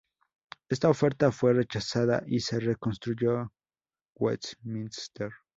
Esta oferta fue rechazada y se reconstruyó Westminster.